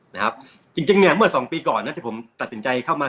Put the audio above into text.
นะครับจริงจริงเนี่ยเมื่อสองปีก่อนนะที่ผมตัดสินใจเข้ามา